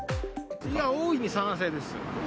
大いに賛成です。